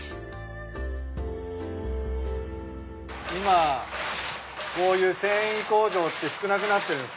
今こういう繊維工場って少なくなってるんすか？